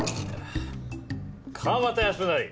川端康成。